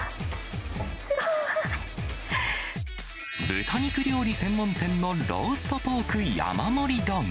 豚肉料理専門店のローストポーク山盛り丼。